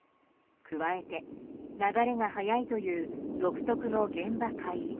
加えて流れが速いという独特の現場海域。